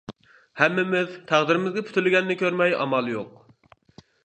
ھەممىمىز تەقدىرىمىزگە پۈتۈلگەننى كۆرمەي ئامال يوق.